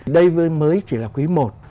đây mới chỉ là quý một